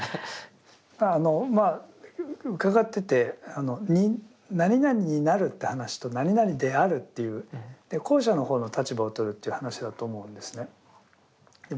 あのまあ伺ってて「何々になる」って話と「何々である」っていう後者の方の立場をとるという話だと思うんですね。